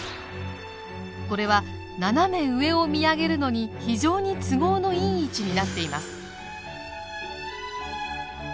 これは斜め上を見上げるのに非常に都合のいい位置になっています。